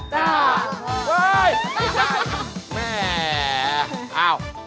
ใช่ค่ะเฮ่ยไม่ได้